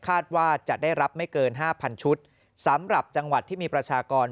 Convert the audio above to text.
คาดว่าจะได้รับไม่เกินห้าพันชุดสำหรับจังหวัดที่มีประชากร